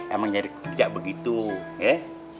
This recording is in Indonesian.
emang jadi kerja begitu ya